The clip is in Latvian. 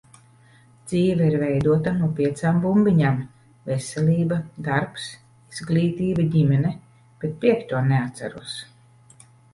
Dzīve ir veidota no piecām bumbiņām - veselība, darbs, izglītība, ģimene, bet piekto neatceros.